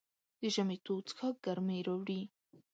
د ژمي تود څښاک ګرمۍ راوړي.